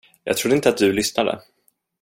Jag trodde inte att du lyssnade.